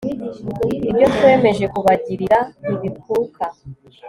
ibyo twemeje kubagirira ntibikuka